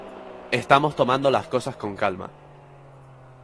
Estamos tomando las cosas con calma.